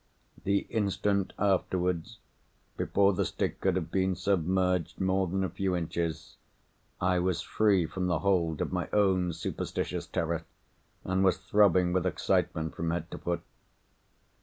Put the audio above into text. The instant afterwards, before the stick could have been submerged more than a few inches, I was free from the hold of my own superstitious terror, and was throbbing with excitement from head to foot.